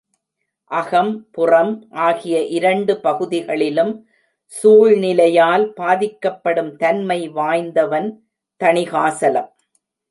அகம், புறம் ஆகிய இரண்டு பகுதிகளிலும் சூழ்நிலையால் பாதிக்கப்படும் தன்மை வாய்ந்தவன் தணிகாசலம்.